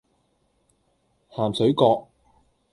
鹹水角